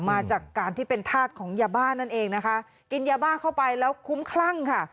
มาจากการที่เป็นธาตุของยาบ้านั่นเองนะคะกินยาบ้าเข้าไปแล้วคุ้มคลั่งค่ะ